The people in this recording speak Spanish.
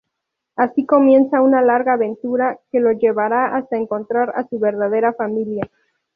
Así comienza una larga aventura que lo llevará hasta encontrar a su verdadera familia.